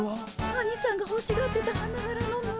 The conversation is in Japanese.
アニさんがほしがってた花柄の布。